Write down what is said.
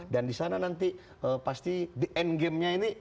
dan disana nanti pasti end gamenya ini